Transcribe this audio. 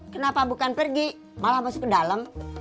kenapa bukan pergi malah masuk ke dalam